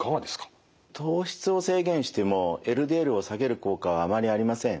糖質を制限してもＬＤＬを下げる効果はあまりありません。